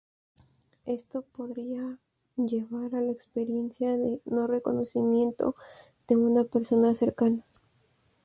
Esto podría llevar a la experiencia de no reconocimiento de una persona cercana.